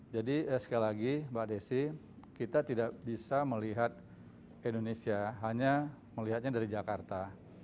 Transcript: jadi sekali lagi mbak desi kita tidak bisa melihat indonesia hanya melihatnya dari jakarta